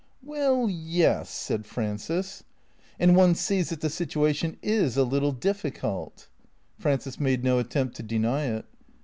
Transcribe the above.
"Well, yes," said Frances. 335 336 THECREATOES " And one sees that the situation is a little difficult." Frances made no attempt to deny it.